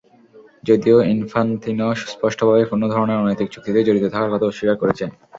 যদিও ইনফান্তিনো স্পষ্টভাবেই কোনো ধরনের অনৈতিক চুক্তিতে জড়িত থাকার কথা অস্বীকার করেছেন।